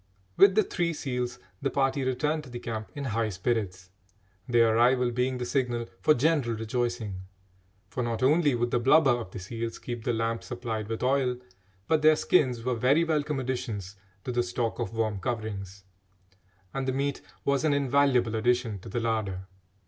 With the three seals, the party returned to the camp in high spirits, their arrival being the signal for general rejoicing, for not only would the blubber of the seals keep the lamp supplied with oil, but their skins were very welcome additions to the stock of warm coverings, and the meat was an invaluable addition to the larder.